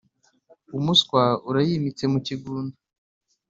umuswa urayimitse mu kigunda.